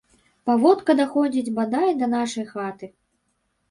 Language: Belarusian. Паводка даходзіць бадай да нашай хаты.